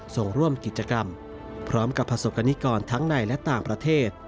ส่งร่วมกิจกรรมพร้อมกับประสบกรณิกรทั้งในและต่างประเทศ